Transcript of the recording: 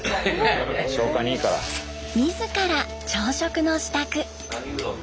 自ら朝食の支度。